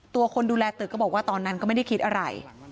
คนดูแลตึกก็บอกว่าตอนนั้นก็ไม่ได้คิดอะไร